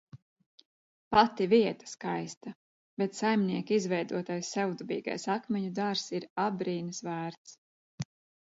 Pati vieta skaista, bet saimnieka izveidotais savdabīgais akmeņu dārzs ir apbrīnas vērts.